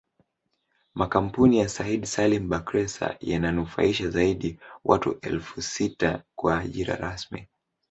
Makampuni ya Said Salim Bakhresa yananufaisha zaidi ya watu elfu sita kwa ajira rasmi